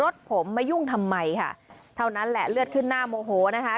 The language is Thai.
รถผมมายุ่งทำไมค่ะเท่านั้นแหละเลือดขึ้นหน้าโมโหนะคะ